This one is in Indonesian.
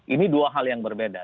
ini dua hal yang berbeda